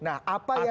nah apa yang